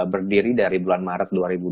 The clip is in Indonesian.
berdiri dari bulan maret dua ribu dua puluh